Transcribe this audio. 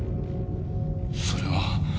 それは。